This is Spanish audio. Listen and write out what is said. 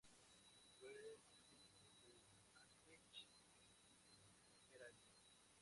Fue duque de Andechs y Merania.